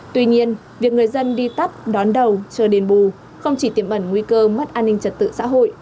tuy nhiên việc người dân đi tắt đón đầu chờ đền bù không chỉ tiềm ẩn nguy cơ mất an ninh trật tự xã hội